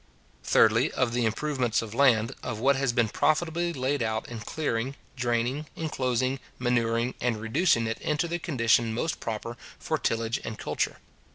Thirdly, of the improvements of land, of what has been profitably laid out in clearing, draining, inclosing, manuring, and reducing it into the condition most proper for tillage and culture.